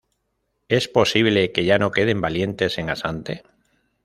Es posible que ya no queden valientes en Asante?